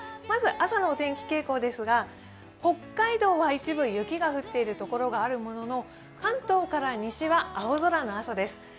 まず、朝のお天気傾向ですが北海道は一部雪が降っている所があるものの関東から西は青空のあとです。